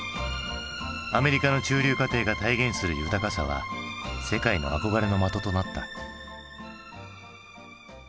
アメリカの中流家庭が体現する豊かさは世界の憧れの的となった。